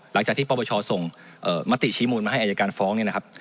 หลังจากที่พ่อบชส่งมทิชีมูลมาให้อาจารย์ฟ้องค์เนี่ยนะครับ